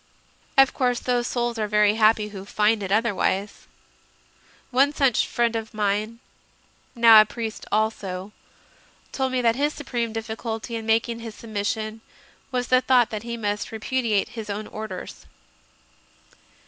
Of course those souls are very happy who find it otherwise. One such friend of mine, now a priest also, told me that his supreme difficulty in mak ing his submission was the thought that he must repudiate his own Orders.